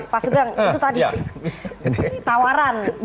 pak sugeng itu tadi tawaran